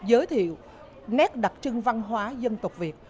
giới thiệu nét đặc trưng văn hóa dân tộc việt